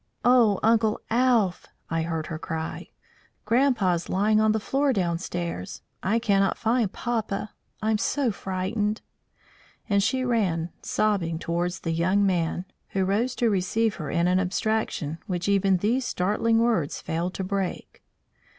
"O Uncle Alph!" I heard her cry. "Grandpa's lying on the floor downstairs. I cannot find papa. I'm so frightened," and she ran sobbing towards the young man, who rose to receive her in an abstraction which even these startling words failed to break.